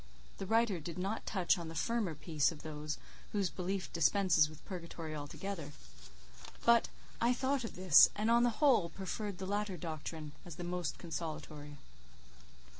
The writer did not touch on the firmer peace of those whose belief dispenses with purgatory altogether: but I thought of this; and, on the whole, preferred the latter doctrine as the most consolatory.